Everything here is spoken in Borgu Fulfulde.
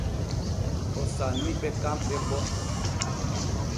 O sanni ɓe kanɓe bo.